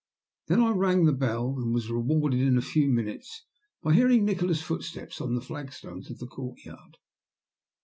Then I rang the bell, and was rewarded in a few minutes by hearing Nikola's footsteps on the flag stones of the courtyard.